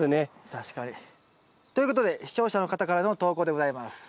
確かに。ということで視聴者の方からの投稿でございます。